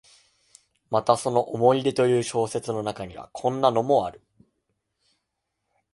またその「思い出」という小説の中には、こんなのもある。